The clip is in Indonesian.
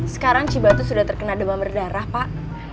sekarang cibatu sudah terkena demam berdarah pak